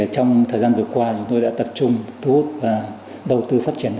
trong thời gian vừa qua chúng tôi đã tập trung thu hút và đầu tư phát triển